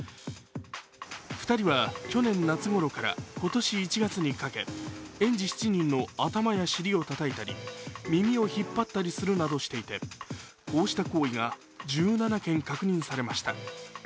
２人は去年夏ごろから今年１月にかけ、園児７人の頭や尻をたたいたり、耳を引っ張ったりするなどしていてこうした行為が１７件確認されました。